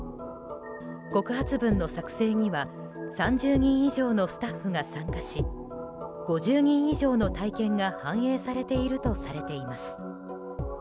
告発文の作成には３０人以上のスタッフが参加し５０人以上の体験が反映されているとされています。